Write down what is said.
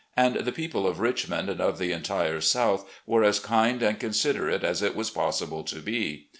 And the people of Richmond and of the entire South were as kind and considerate as it was possible to be.